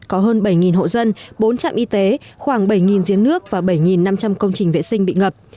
có hơn bảy hộ dân bốn trạm y tế khoảng bảy giếng nước và bảy năm trăm linh công trình vệ sinh bị ngập